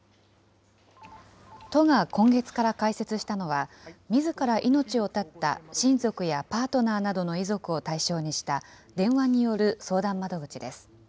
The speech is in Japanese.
都が今月から開設したのが、みずから命を絶った親族やパートナーなどの遺族を対象にした電話による相談窓口です。